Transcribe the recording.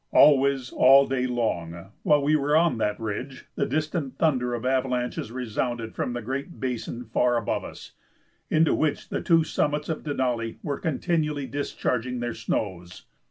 Always all day long, while we were on that ridge, the distant thunder of avalanches resounded from the great basin far above us, into which the two summits of Denali were continually discharging their snows.